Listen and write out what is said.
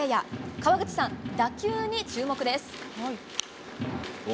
川口さん、打球に注目です。